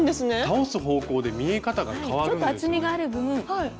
倒す方向で見え方が変わるんですよね。